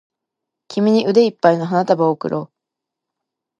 君に腕いっぱいの花束を贈ろう